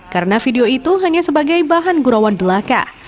karena video itu hanya sebagai bahan gurawan belaka